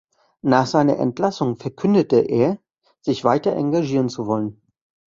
Nach seiner Entlassung verkündete er, sich weiter engagieren zu wollen.